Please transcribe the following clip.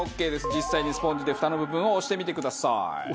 実際にスポンジでフタの部分を押してみてください。